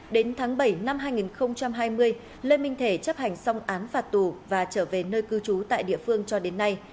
đến tháng bảy năm hai nghìn hai mươi lê minh thể chấp hành xong án phạt tù và trở về nơi cư trú tại địa phương cho đến nay